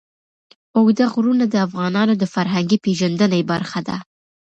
اوږده غرونه د افغانانو د فرهنګي پیژندنې برخه ده.